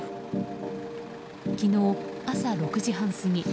昨日朝６時半過ぎ